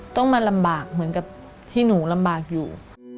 ต้องมาลำบากเหมือนกับที่หนูลำบากอยู่